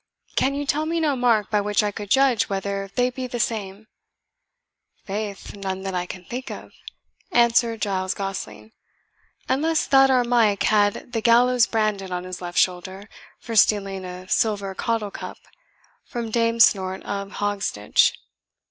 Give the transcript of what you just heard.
Can you tell me no mark by which I could judge whether they be the same?" "Faith, none that I can think of," answered Giles Gosling, "unless that our Mike had the gallows branded on his left shoulder for stealing a silver caudle cup from Dame Snort of Hogsditch."